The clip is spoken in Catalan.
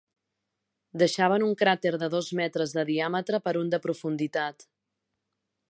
Deixaven un cràter de dos metres de diàmetre per un de profunditat